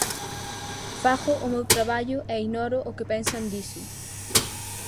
Fago o meu traballo e ignoro que pensan diso.